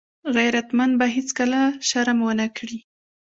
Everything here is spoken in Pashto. غیرتمند به هېڅکله شرم ونه کړي